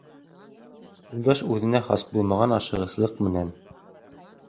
Юлдаш үҙенә хас булмаған ашығыслыҡ менән: